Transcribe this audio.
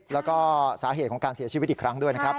แล้วก็สาเหตุของการเสียชีวิตอีกครั้งด้วยนะครับ